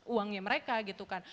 uangnya mereka gitu kan